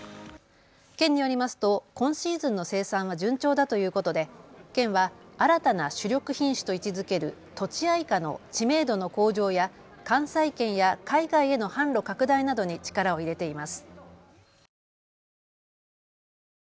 県によりますと今シーズンの生産は順調だということで県は新たな主力品種と位置づけるとちあいかの知名度の向上や関西圏や海外への販路拡大などに力を入れています。